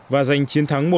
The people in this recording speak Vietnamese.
và giành chiến thắng một